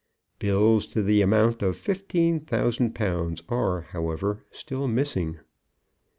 Bills to the amount of fifteen thousand pounds are, however, still missing.